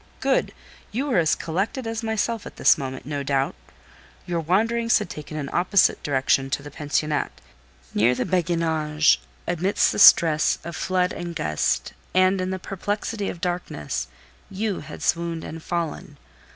"Good! you were as collected as myself at this moment, no doubt. Your wanderings had taken an opposite direction to the pensionnat. Near the Béguinage, amidst the stress of flood and gust, and in the perplexity of darkness, you had swooned and fallen.